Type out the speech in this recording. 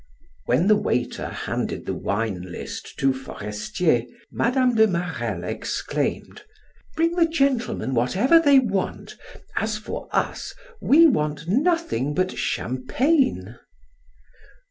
When the waiter handed the wine list to Forestier, Mme. de Marelle exclaimed: "Bring the gentle men whatever they want; as for us, we want nothing but champagne."